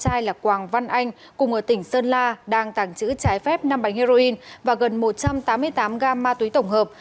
trai là quảng văn anh cùng ở tỉnh sơn la đang tàng trữ trái phép năm bánh heroin và gần một trăm tám mươi tám gam ma túy tổng hợp